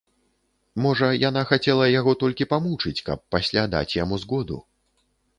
Можа, яна хацела яго толькі памучыць, каб пасля даць яму згоду.